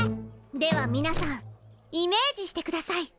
ではみなさんイメージしてください。